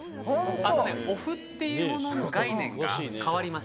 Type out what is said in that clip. あとね、おふっていうものの概念が変わります。